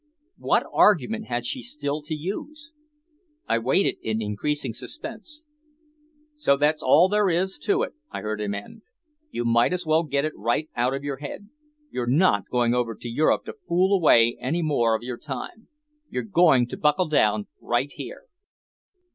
What argument had she still to use? I waited in increasing suspense. "So that's all there is to it," I heard him end. "You might as well get it right out of your head. You're not going over to Europe to fool away any more of your time. You're going to buckle down right here."